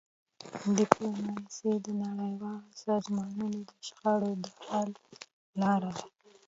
ډيپلوماسي د نړیوالو سازمانونو د شخړو د حل لاره ده.